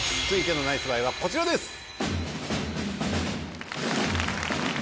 続いてのナイスバイはこちらです。